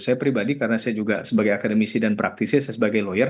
saya pribadi karena saya juga sebagai akademisi dan praktisi sebagai lawyer